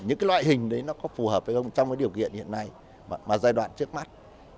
những loại hình nó có phù hợp hay không trong điều kiện hiện nay mà giai đoạn trước mắt